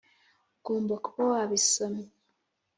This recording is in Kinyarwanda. ugomba kuba wabisomye